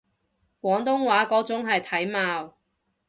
廣東話嗰種係體貌